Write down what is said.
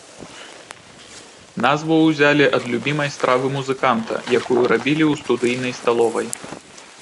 Назву ўзялі ад любімай стравы музыканта, якую рабілі ў студыйнай сталовай.